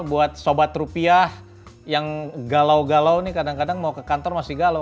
buat sobat rupiah yang galau galau ini kadang kadang mau ke kantor masih galau